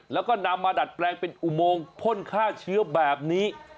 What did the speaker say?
แล้วก็นำมาดัดแปลงเป็นอุโมงพ่นฆ่าเชื้อแบบนี้